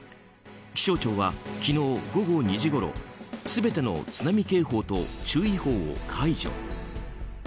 気象庁は昨日午後２時ごろ全ての津波警報と注意報を解除。